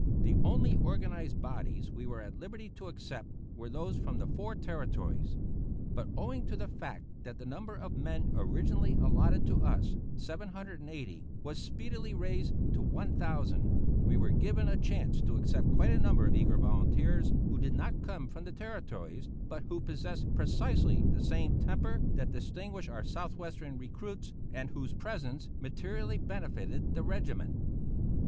The only organized bodies we were at liberty to accept were those from the four Territories. But owing to the fact that the number of men originally allotted to us, 780, was speedily raised to 1,000, we were given a chance to accept quite a number of eager volunteers who did not come from the Territories, but who possessed precisely the same temper that distinguished our Southwestern recruits, and whose presence materially benefited the regiment.